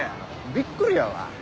びっくりやわ。